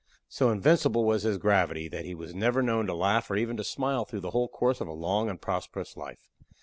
So invincible was his gravity that he was never known to laugh or even to smile through the whole course of a long and prosperous life.